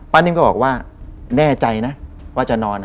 นิ่มก็บอกว่าแน่ใจนะว่าจะนอน